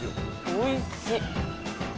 おいしい。